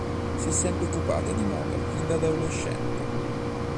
Si è sempre occupata di moda fin da adolescente.